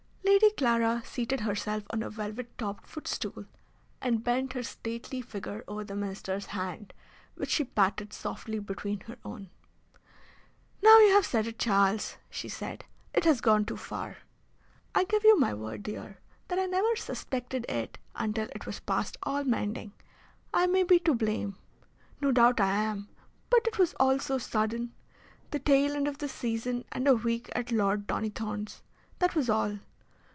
Lady Clara seated herself on a velvet topped footstool, and bent her stately figure over the Minister's hand, which she patted softly between her own. "Now you have said it, Charles," said she. "It has gone too far I give you my word, dear, that I never suspected it until it was past all mending. I may be to blame no doubt I am; but it was all so sudden. The tail end of the season and a week at Lord Donnythorne's. That was all.